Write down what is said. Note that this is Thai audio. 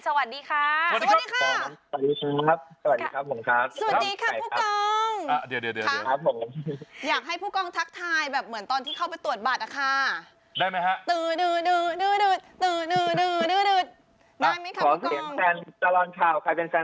สวัสดีค่ะสวัสดีค่ะสวัสดีครับสวัสดีครับสวัสดีครับสวัสดีครับสวัสดีครับ